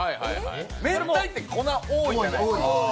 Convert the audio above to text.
めんたいって粉多いじゃないですか。